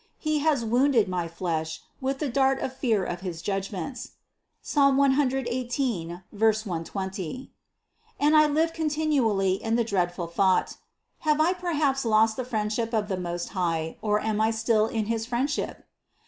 He has wounded my flesh with the dart of fear of his judg ments (Ps. 118, 120), and I live continually in the dread ful thought: Have I perhaps lost the friendship of the Most High or am I still in his friendship